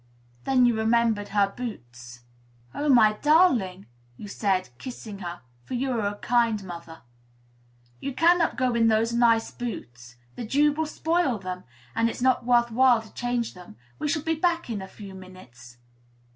Then you remembered her boots: "Oh, my darling," you said, kissing her, for you are a kind mother, "you cannot go in those nice boots: the dew will spoil them; and it is not worth while to change them, we shall be back in a few minutes."